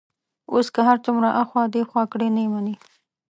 اوس که هر څومره ایخوا دیخوا کړي، نه مني.